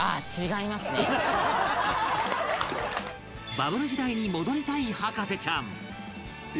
バブル時代に戻りたい博士ちゃん